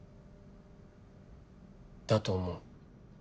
だと思う。